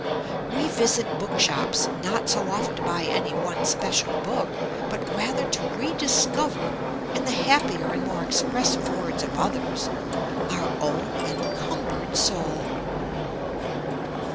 We visit bookshops not so often to buy any one special book, but rather to rediscover, in the happier and more expressive words of others, our own encumbered soul.